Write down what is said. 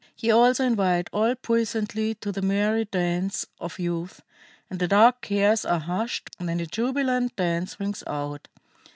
Ye also invite all puissantly to the merry dance of Youth, and the dark cares are hushed when the jubilant dance rings out.